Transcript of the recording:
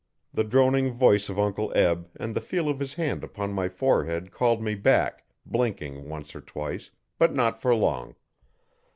The droning voice of Uncle Eb and the feel of his hand upon my forehead called me back, blinking, once or twice, but not for long.